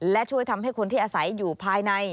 และช่วยทำให้คนที่อาศัยอยู่ภายใน